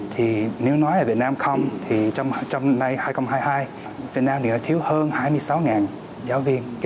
thì nếu nói ở việt nam không thì trong năm nay hai nghìn hai mươi hai việt nam thì đã thiếu hơn hai mươi sáu giáo viên